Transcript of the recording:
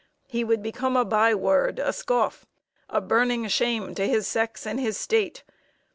He would become a by word, a scoff, a burning shame to his sex and his State.